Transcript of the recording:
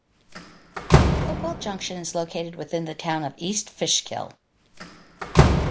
Hopewell Junction is located within the town of East Fishkill.